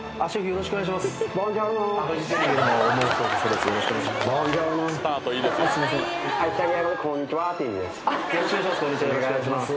よろしくお願いします。